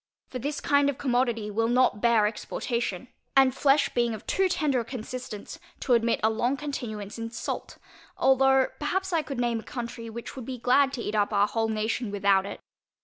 For this kind of commodity will not bear exportation, and flesh being of too tender a consistence, to admit a long continuance in salt, although perhaps I could name a country, which would be glad to eat up our whole nation without it.